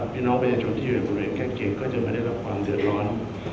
พี่น้องประชาชนที่อยู่บริเวณใกล้เคียงก็จะไม่ได้รับความเดือดร้อน